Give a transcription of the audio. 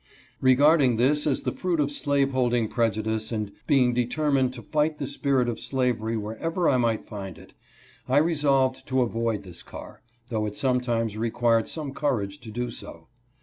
Regarding this as the fruit of slaveholding prejudice and being determined to fight the spirit of slavery wherever I might find it, I resolved 278 EJECTED PROM RAILROAD CAR. to avoid this car, though it sometimes required some courage to do so.